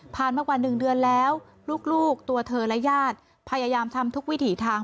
มากว่า๑เดือนแล้วลูกตัวเธอและญาติพยายามทำทุกวิถีทาง